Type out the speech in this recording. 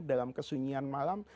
dalam kesunyian malam